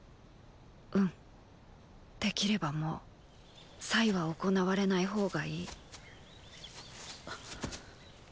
うんできればもう“祭”は行われない方がいい。